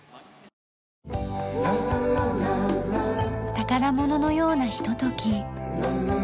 宝物のようなひととき。